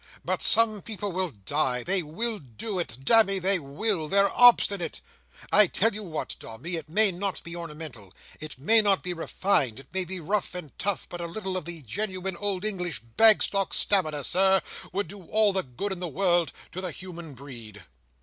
But some people will die. They will do it. Damme, they will. They're obstinate. I tell you what, Dombey, it may not be ornamental; it may not be refined; it may be rough and tough; but a little of the genuine old English Bagstock stamina, Sir, would do all the good in the world to the human breed."